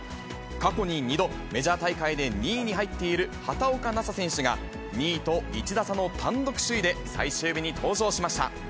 過去に２度、メジャー大会で２位に入っている畑岡奈紗選手が、２位と１打差の単独首位で最終日に登場しました。